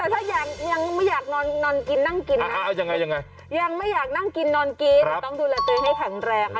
แต่ถ้ายังไม่อยากนอนกินนั่งกินนะยังไม่อยากนั่งกินนอนกินต้องดูแลเตยให้แถงแรงค่ะ